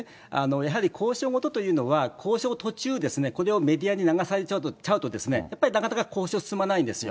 やはり交渉事というのは、交渉途中、これをメディアに流されちゃうと、やっぱりなかなか交渉進まないんですよ。